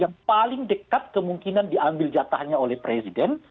yang paling dekat kemungkinan diambil jatahnya oleh presiden